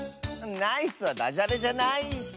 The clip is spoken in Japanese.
「ナイス」はダジャレじゃないッス！